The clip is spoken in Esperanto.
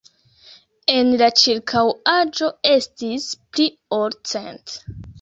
En la ĉirkaŭaĵo estis pli ol cent.